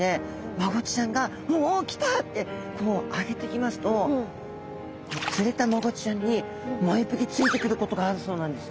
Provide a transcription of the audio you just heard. マゴチちゃんが「おお来た！」ってこう上げてきますと釣れたマゴチちゃんにもう一匹ついてくることがあるそうなんです。